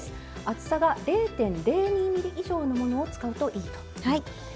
厚さが０．０２ｍｍ以上のものを使うといいということですね。